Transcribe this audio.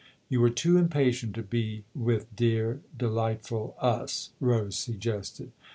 " You were too impatient to be with dear, de lightful us" Rose suggested.